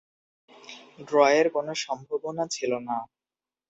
ড্রয়ের কোন সম্ভাবনা ছিল না।